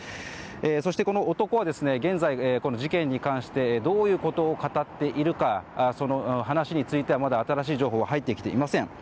そして、この男は現在事件に関してどういうことを語っているのかその話についてはまだ新しい情報は入ってきていません。